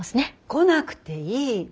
来なくていい。